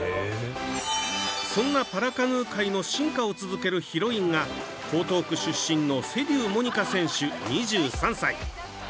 そんなパラカヌー界の進化を続けるヒロインが江東区出身の瀬立モニカ選手２３歳。